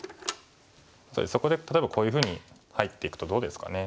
そこで例えばこういうふうに入っていくとどうですかね。